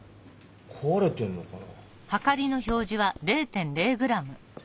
こわれてんのかな？